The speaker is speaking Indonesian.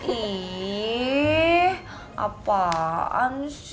ih apaan sih